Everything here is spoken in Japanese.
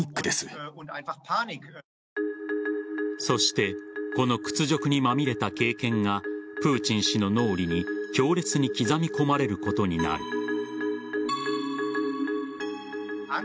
そしてこの屈辱にまみれた経験がプーチン氏の脳裏に強烈に刻み込まれることになる。